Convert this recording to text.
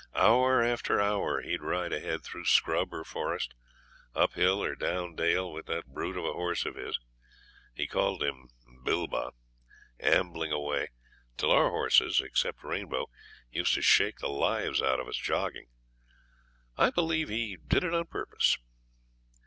Hour after hour he'd ride ahead through scrub or forest, up hill or down dale, with that brute of a horse of his he called him 'Bilbah' ambling away, till our horses, except Rainbow, used to shake the lives out of us jogging. I believe he did it on purpose.